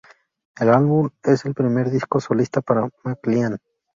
El álbum es el primer disco solista para McLean.